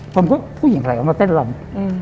ผมก็ผู้หญิงอะไรมาเต้นลำ